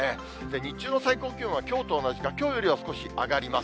日中の最高気温は、きょうと同じか、きょうよりは少し上がります。